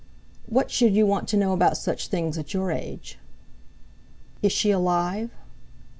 "What should you want to know about such things, at your age?" "Is she alive?"